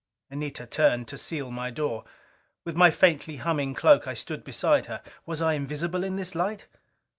Anita turned to seal my door; within my faintly humming cloak I stood beside her. Was I invisible in this light?